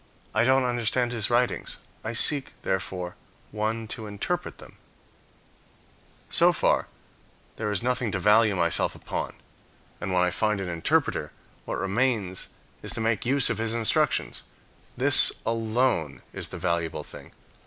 I don't understand his writings. I seek, therefore, one to interpret them." So far there is nothing to value myself upon. And when I find an interpreter, what remains is to make use of his instructions. This alone is the valuable thing.